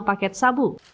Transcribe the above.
lima paket sabu